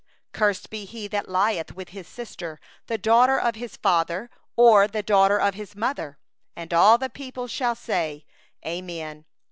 22Cursed be he that lieth with his sister, the daughter of his father, or the daughter of his mother. And all the people shall say: Amen.